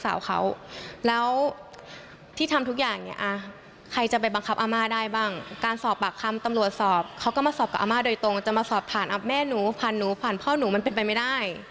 อาม่าได้บ้างการสอบปากคำตำรวจสอบเขาก็มาสอบกับอาม่าโดยตรงจะมาสอบผ่านแม่หนูผ่านหนูผ่านพ่อหนูมันเป็นไปไม่ได้